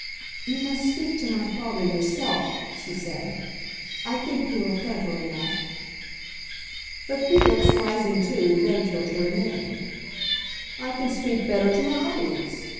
"You must speak to my father yourself," she said. "I think you are clever enough." But Felix, rising too, begged her to remain. "I can speak better to an audience!"